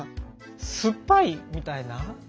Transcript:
酸っぱいみたいな。